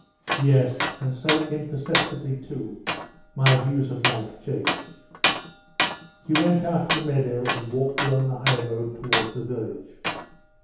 Yes, and so imperceptibly too my views of life changed!" He went out of the meadow and walked along the highroad towards the village.